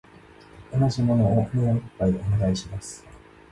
同じ物をもう一杯お願いします。